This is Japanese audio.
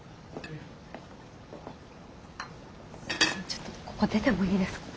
ちょっとここ出てもいいですか。